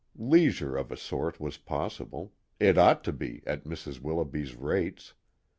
Leisure of a sort was possible it ought to be, at Mrs. Willoughby's rates!